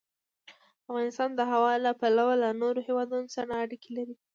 افغانستان د هوا له پلوه له نورو هېوادونو سره اړیکې لري.